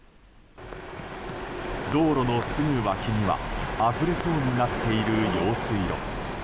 道路のすぐ脇にはあふれそうになっている用水路。